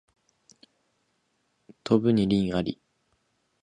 飛ぶに禽あり